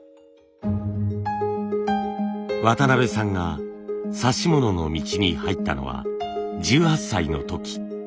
渡邊さんが指物の道に入ったのは１８歳の時。